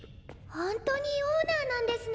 ほんとにオーナーなんですね